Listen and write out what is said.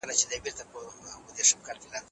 ټولنه بدلون مني.